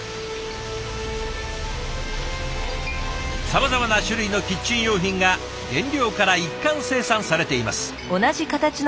さまざまな種類のキッチン用品が原料から一貫生産されています。